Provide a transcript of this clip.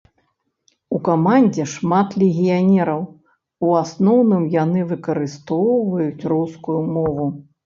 У камандзе шмат легіянераў, у асноўным яны выкарыстоўваюць рускую мову.